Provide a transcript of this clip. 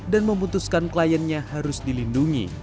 dan memutuskan kliennya harus dilindungi